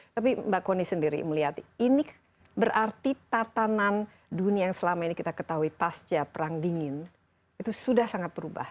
tapi mbak kony sendiri melihat ini berarti tatanan dunia yang selama ini kita ketahui pasca perang dingin itu sudah sangat berubah